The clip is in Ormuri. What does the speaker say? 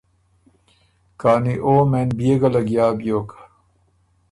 کانی او مېن بيې ګه لګیا بیوک،